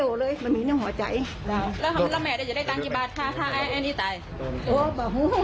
เวอร์โนโลงแรม